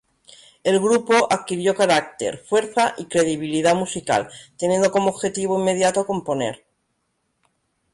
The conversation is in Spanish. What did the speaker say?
El grupo adquirió carácter, fuerza y credibilidad musical, teniendo como objetivo inmediato componer.